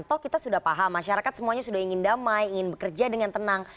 toh kita sudah paham masyarakat semuanya sudah ingin damai ingin bekerja dengan tenang